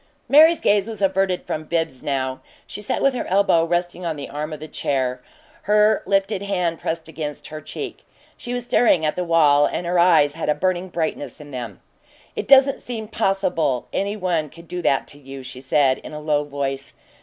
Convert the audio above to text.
Mary's gaze was averted from Bibbs now; she sat with her elbow resting on the arm of the chair, her lifted hand pressed against her cheek. She was staring at the wall, and her eyes had a burning brightness in them. "It doesn't seem possible any one could do that to you," she said, in a low voice.